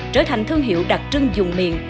trở thành thương hiệu đặc trưng dùng miền